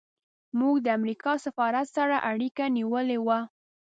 موږ د امریکا سفارت سره اړیکه نیولې وه.